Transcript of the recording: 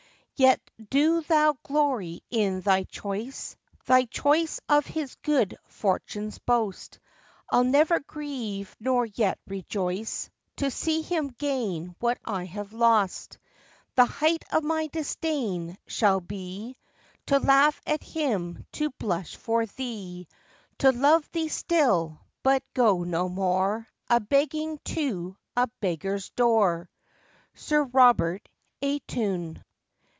Yet do thou glory in thy choice, Thy choice of his good fortune's boast; I'll neither grieve nor yet rejoice To see him gain what I have lost; The height of my disdain shall be, To laugh at him, to blush for thee; To love thee still, but go no more A begging to a beggar's door. Sir Robert Aytoun.